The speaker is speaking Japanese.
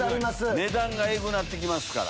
値段がエグなって来ますから。